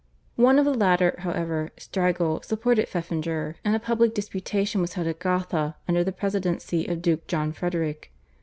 One of the latter however, Strigel, supported Pfeffinger, and a public disputation was held at Gotha under the presidency of Duke John Frederick.